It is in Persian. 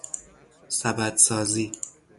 سبدسازی